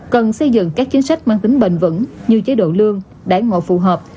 cần xây dựng các chính sách mang tính bền vững như chế độ lương đáng ngộ phù hợp